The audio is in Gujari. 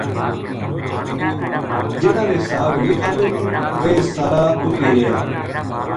جہڑاں نے ساگ نیہہ کھادو تھو ویہ سارا ات ہی رہیا